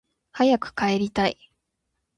早く帰りたい